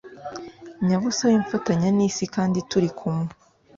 Nyabusa wimfatanya n’isi kandi turi umwe